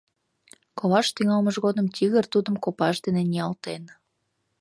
Колаш тӱҥалмыж годым тигр тудым копаж дене ниялтен...